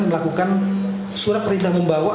melakukan surat perintah membawa